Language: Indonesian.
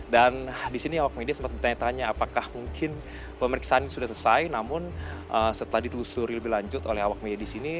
dan di sini awak media sempat bertanya tanya apakah mungkin pemeriksaan ini sudah selesai namun setelah ditulis lebih lanjut oleh awak media di sini